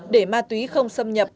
để ma túy không xâm nhận